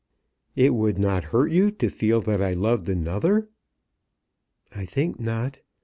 "It would not hurt you to feel that I loved another?" "I think not.